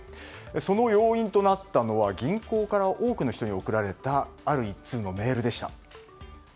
その要因となったのは銀行から多くの人に送られたある１通のメールでした。